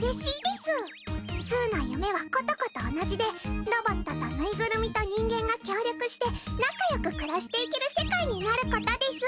すうの夢はことこと同じでロボットとぬいぐるみと人間が協力して仲よく暮らしていける世界になることです。